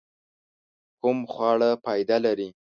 کوم خواړه فائده لري؟